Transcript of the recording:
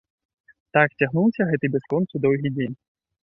Так цягнуўся гэты бясконца доўгі дзень.